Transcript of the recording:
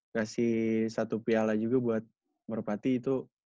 kasih satu piala juga buat merpati itu